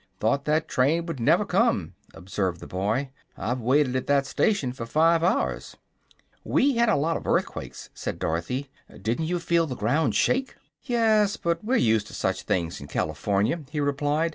"Thought that train would never come," observed the boy. "I've waited at that station for five hours." "We had a lot of earthquakes," said Dorothy. "Didn't you feel the ground shake?" "Yes; but we're used to such things in California," he replied.